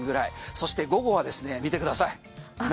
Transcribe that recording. そして午後はですね見てください。